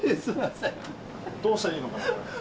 どうしたらいいのかな。